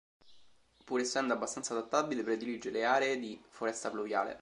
Pur essendo abbastanza adattabile, predilige le aree di foresta pluviale.